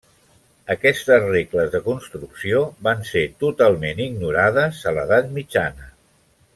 Aquestes regles de construcció van ser totalment ignorades a l'edat mitjana.